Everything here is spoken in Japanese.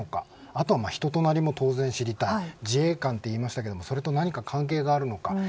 あと人となりも当然知りたい元自衛官と言いましたがそれと何か関係があるのか。